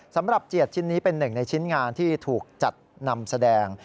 เจียดชิ้นนี้เป็นหนึ่งในชิ้นงานที่ถูกจัดนำแสดง